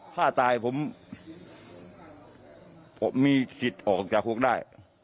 ถ้าตายผมมีสิทธิ์ออกจากคุกได้